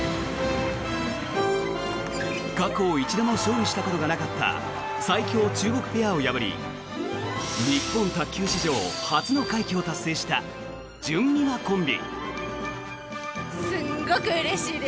過去、一度も勝利したことがなかった最強中国ペアを破り日本卓球史上初の快挙を達成したじゅんみまコンビ。